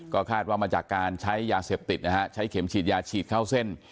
ก็คาดว่ามาจากการใช้ยาเสพติดนะฮะใช้เข็มฉีดยาฉีดเข้าเส้น